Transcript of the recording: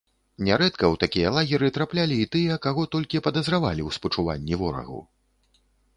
Нярэдка ў такія лагеры траплялі і тыя, каго толькі падазравалі ў спачуванні ворагу.